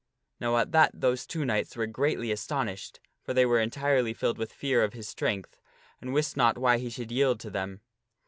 Now at that those two knights were greatly astonished, for they were entirely filled with the fear of his strength, and wist not why he should yield to them.